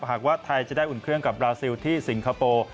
หากว่าไทยจะได้อุ่นเครื่องกับบราซิลที่สิงคโปร์